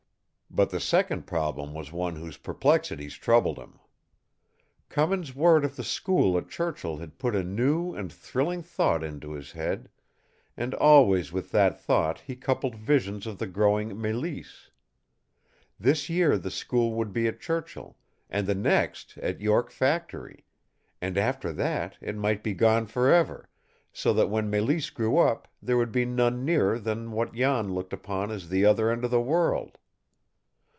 But the second problem was one whose perplexities troubled him. Cummins' word of the school at Churchill had put a new and thrilling thought into his head, and always with that thought he coupled visions of the growing Mélisse. This year the school would be at Churchill, and the next at York Factory, and after that it might be gone for ever, so that when Mélisse grew up there would be none nearer than what Jan looked upon as the other end of the world.